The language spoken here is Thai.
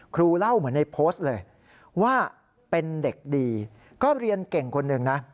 เล่าเหมือนในโพสต์เลยว่าเป็นเด็กดีก็เรียนเก่งคนหนึ่งนะ